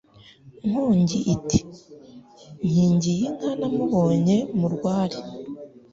Nkongi iti : Nkingiyinka Namubonye mu rwari